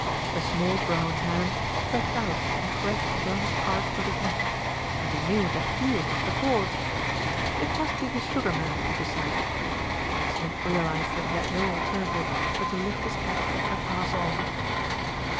A small brown hand stretched out and caressed the burnished arch of his neck, and he knew that he was not the cause. It must be the Sugar Man, he decided. NERO IN DISGRACE 185 Smith realised that he had no alternative but to lift his cap and pass on.